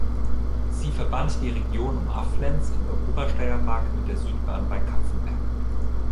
Sie verband die Region um Aflenz in der Obersteiermark mit der Südbahn bei Kapfenberg.